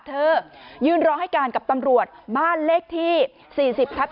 เธอยืนรอให้การกับตำรวจบ้านเลขที่๔๐ทับ๑